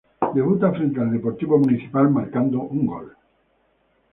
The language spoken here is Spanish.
Debuta frente a Deportivo Municipal, marcando un gol.